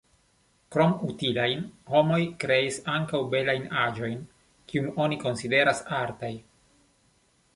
Krom utilajn, homoj kreis ankaŭ belajn aĵojn, kiujn oni konsideras artaj.